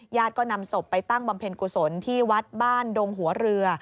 ก็นำศพไปตั้งบำเพ็ญกุศลที่วัดบ้านดงหัวเรือ